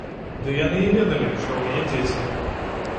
Ды яны і ведалі, што ў мяне дзеці.